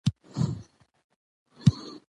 په افغانستان کې بزګان په پراخه کچه شتون لري.